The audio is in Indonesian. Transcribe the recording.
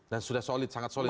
dan sudah solid sangat solid ya